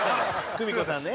久美子さんね。